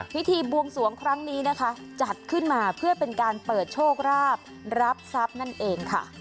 พิธีบวงสวงครั้งนี้นะคะจัดขึ้นมาเพื่อเป็นการเปิดโชคราบรับทรัพย์นั่นเองค่ะ